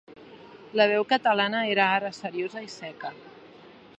La veu catalana era ara seriosa i seca.